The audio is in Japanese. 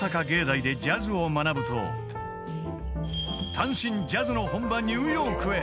［単身ジャズの本場ニューヨークへ。